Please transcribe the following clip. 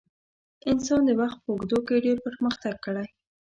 انسان د وخت په اوږدو کې ډېر پرمختګ کړی.